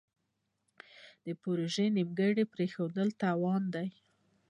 پروژې نیمګړې پریښودل تاوان دی.